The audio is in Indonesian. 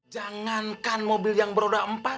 jangan kan mobil yang beroda empat